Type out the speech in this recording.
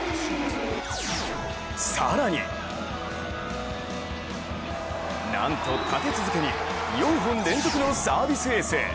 更になんと立て続けに４本連続のサービスエース。